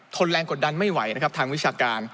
แรงกดดันไม่ไหวนะครับทางวิชาการ